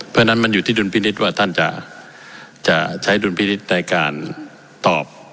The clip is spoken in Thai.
เพราะฉะนั้นมันอยู่ที่ดุลพินิษฐ์ว่าท่านจะใช้ดุลพินิษฐ์ในการตอบ